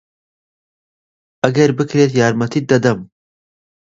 ئەگەر بکرێت یارمەتیت دەدەم.